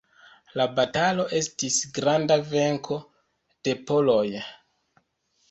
La batalo estis granda venko de poloj.